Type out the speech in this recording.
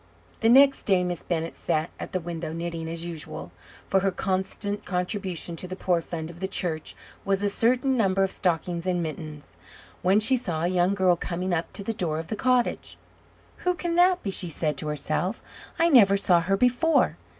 The next day Miss Bennett sat at the window knitting, as usual for her constant contribution to the poor fund of the church was a certain number of stockings and mittens when she saw a young girl coming up to the door of the cottage. "Who can that be?" she said to herself. "I never saw her before.